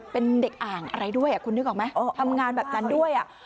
เป็นเด็กอ่างอะไรด้วยคุณนึกออกไหมทำงานแบบนั้นด้วย